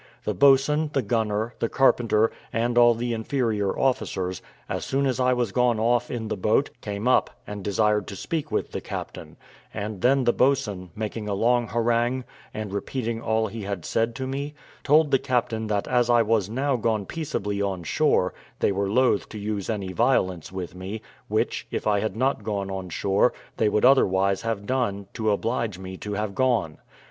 The boatswain, the gunner, the carpenter, and all the inferior officers, as soon as I was gone off in the boat, came up, and desired to speak with the captain; and then the boatswain, making a long harangue, and repeating all he had said to me, told the captain that as I was now gone peaceably on shore, they were loath to use any violence with me, which, if I had not gone on shore, they would otherwise have done, to oblige me to have gone.